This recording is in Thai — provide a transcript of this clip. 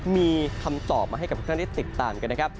มีคำตอบมาให้กับทุกท่านได้ติดตามกันนะครับ